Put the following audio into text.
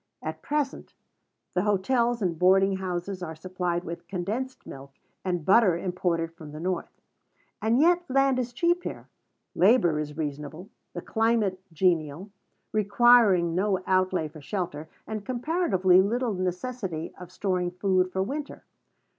At present the hotels and boarding houses are supplied with condensed milk, and butter, imported from the North: and yet land is cheap here; labor is reasonable; the climate genial, requiring no outlay for shelter, and comparatively little necessity of storing food for winter.